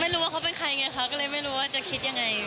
ไม่รู้ว่าเขาเป็นใครไงคะก็เลยไม่รู้ว่าจะคิดยังไง